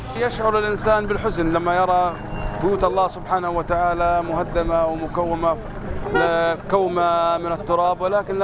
pihak berunang palestina melaporkan serangan udara militer israel